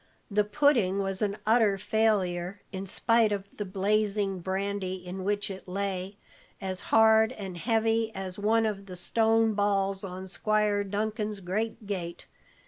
The pudding was an utter failure, in spite of the blazing brandy in which it lay as hard and heavy as one of the stone balls on Squire Dunkin's great gate.